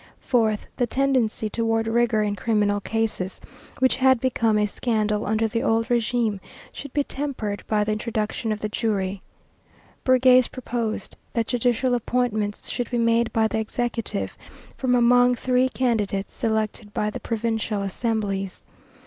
Fourth, the tendency toward rigor in criminal cases, which had become a scandal under the old régime, should be tempered by the introduction of the jury. Bergasse proposed that judicial appointments should be made by the executive from among three candidates selected by the provincial assemblies.